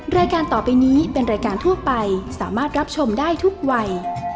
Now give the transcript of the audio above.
รายการต่อไปนี้เป็นรายการทั่วไปสามารถรับชมได้ทุกวัย